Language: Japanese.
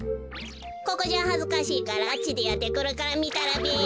ここじゃはずかしいからあっちでやってくるからみたらべよ。